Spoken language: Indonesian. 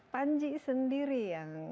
panji sendiri yang